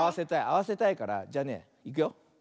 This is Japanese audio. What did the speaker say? あわせたいからじゃあねいくよ。